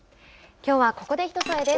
きょうはここで「ひとそえ」です。